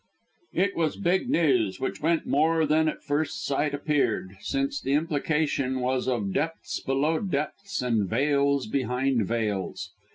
It was big news, which meant more than at first sight appeared, since the implication was of depths below depths and veils behind veils.